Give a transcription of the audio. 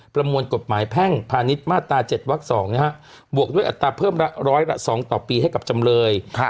ประมวลกฎหมายแพ่งพาณิชย์มาตรา๗วัก๒บวกด้วยอัตราเพิ่มละร้อยละ๒ต่อปีให้กับจำเลย